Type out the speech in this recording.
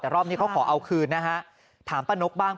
แต่รอบนี้เขาขอเอาคืนนะฮะถามป้านกบ้าง